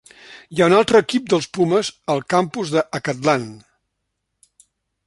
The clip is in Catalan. Hi ha un altre equip dels Pumas al campus d'Acatlán.